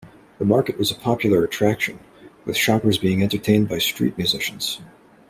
The market was a popular attraction, with shoppers being entertained by street musicians.